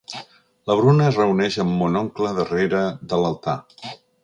La Bruna es reuneix amb mon oncle darrere de l'altar.